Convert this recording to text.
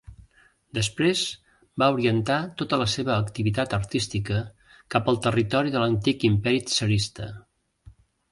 Després, va orientar tota la seva activitat artística cap al territori de l'antic imperi tsarista.